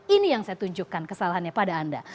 ini yang saya tunjukkan kesalahannya pada anda